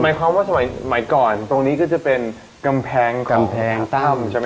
หมายความว่าเมื่อก่อนตรงนี้ก็จะเป็นกำแพงของทำ